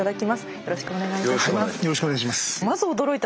よろしくお願いします。